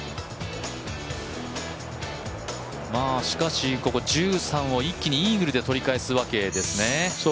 しかし、ここ１３を一気にイーグルで取り返すわけですね。